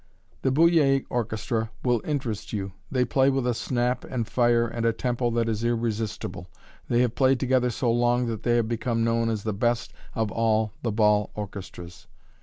The "Bullier" orchestra will interest you; they play with a snap and fire and a tempo that is irresistible. They have played together so long that they have become known as the best of all the bal orchestras.